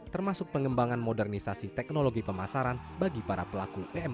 termasuk pengembangan modernisasi teknologi pemasaran bagi para pelaku umkm